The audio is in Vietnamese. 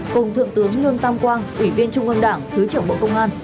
cùng thượng tướng lương tam quang ủy viên trung ương đảng thứ trưởng bộ công an